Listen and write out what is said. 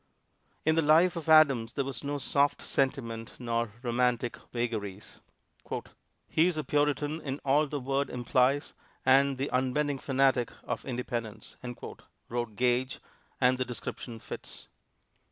In the life of Adams there was no soft sentiment nor romantic vagaries. "He is a Puritan in all the word implies, and the unbending fanatic of independence," wrote Gage, and the description fits.